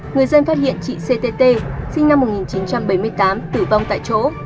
người dân phát hiện chị ctt sinh năm một nghìn chín trăm bảy mươi tám tử vong tại chỗ